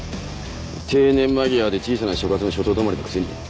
定年間際で小さな所轄の署長止まりのくせに。